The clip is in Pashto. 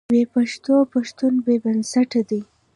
بې پښتوه پښتون بې بنسټه دی.